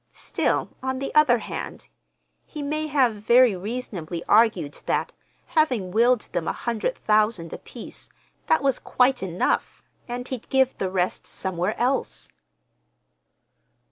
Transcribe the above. Still, on the other hand, he may have very reasonably argued that, having willed them a hundred thousand apiece, that was quite enough, and he'd give the rest somewhere else."